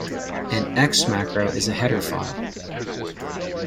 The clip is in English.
An X-Macro is a header file.